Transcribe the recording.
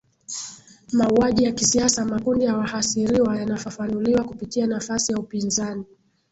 mauaji ya kisiasa makundi ya wahasiriwa yanafafanuliwa kupitia nafasi ya upinzani